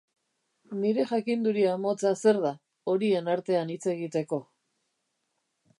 Nire jakinduria motza zer da, horien artean hitz egiteko?